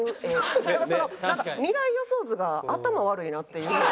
なんかその未来予想図が頭悪いなっていう。